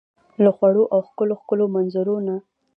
له خوړو او ښکلو ، ښکلو منظرو نه